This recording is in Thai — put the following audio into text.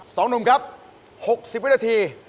สองหนุ่มครับ๖๐วินาที